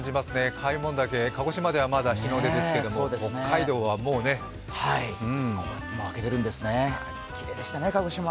開聞岳、鹿児島ではまだ日の出ですけれども明けているんですね。